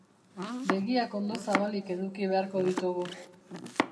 Begiak ondo zabalik eduki beharko ditugu.